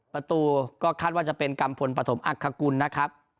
ประตูก็คาดว่าจะเป็นกัมพลปฐมอักษกุลนะครับ